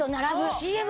ＣＭ？